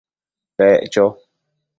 Pec cho